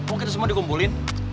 kok kita semua dikumpulin